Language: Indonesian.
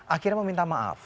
akhirnya meminta maaf